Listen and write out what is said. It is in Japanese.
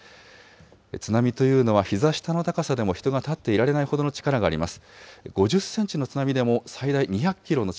津波というのはひざ下の高さでも人が立っていられないほどの力があります。